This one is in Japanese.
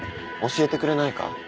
教えてくれないか？